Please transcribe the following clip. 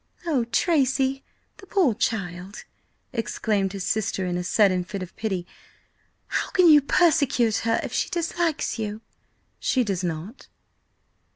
"Oh, Tracy, the poor child!" exclaimed his sister in a sudden fit of pity. "How can you persecute her, if she dislikes you?" "She does not."